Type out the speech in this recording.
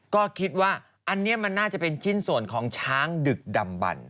ก็คิดว่าอันนี้มันน่าจะเป็นชิ้นส่วนของช้างดึกดำบัน